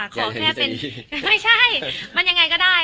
ไม่ใช่มันยังไงก็ได้